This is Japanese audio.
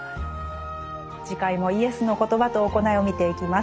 次回もイエスの言葉と行いを見ていきます。